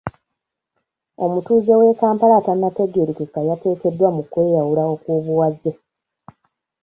Omutuuze w'e Kampala atanategeerekeka yateekeddwa mu kwe yawula okw'obuwaze.